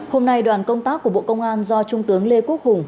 hôm nay đoàn công tác của bộ công an do trung tướng lê quốc hùng